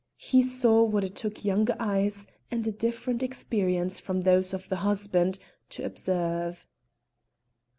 He saw what it took younger eyes, and a different experience from those of the husband, to observe.